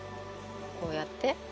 こうやって？